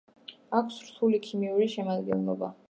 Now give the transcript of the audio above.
აქვს რთული ქიმიური შემადგენლობა.